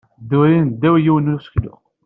Ddurin ddaw yiwen n useklu.